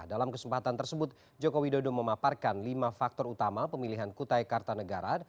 dalam kesempatan tersebut joko widodo memaparkan lima faktor utama pemilihan kutai kartanegara